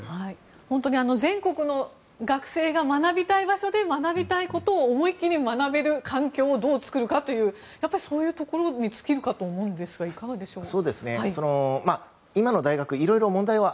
本当に全国の学生が学びたい場所で学びたいことを思いきり学べる環境をどう作るかというところに尽きると思いますがいかがでしょうか。